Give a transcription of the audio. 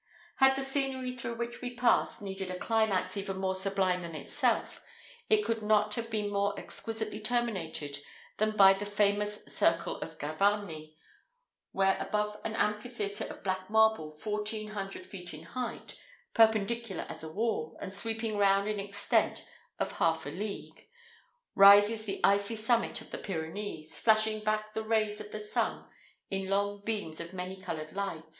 Had the scenery through which we passed needed a climax even more sublime than itself, it could not have been more exquisitely terminated than by the famous Circle of Gavarnie, where above an amphitheatre of black marble fourteen hundred feet in height perpendicular as a wall, and sweeping round an extent of half a league rises the icy summit of the Pyrenees, flashing back the rays of the sun in long beams of many coloured light.